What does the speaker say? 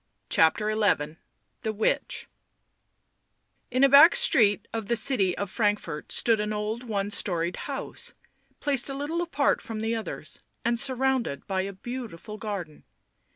CHAPTER XI THE WITCH In a back street of the city of Frankfort stood an old one storied house, placed a little apart from the others, and surrounded by a beautiful garden.